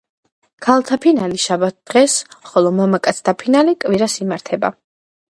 ქალთა ფინალი შაბათ დღეს, ხოლო მამაკაცთა ფინალი კვირას იმართება.